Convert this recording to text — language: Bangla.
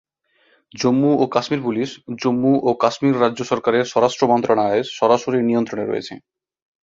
জম্মু ও কাশ্মীর পুলিশ, জম্মু ও কাশ্মীর রাজ্য সরকারের স্বরাষ্ট্র মন্ত্রণালয়ের সরাসরি নিয়ন্ত্রণে রয়েছে।